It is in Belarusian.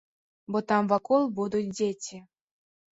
Бо там вакол будуць дзеці.